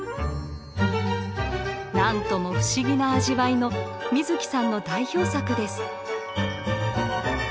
何とも不思議な味わいの水木さんの代表作です。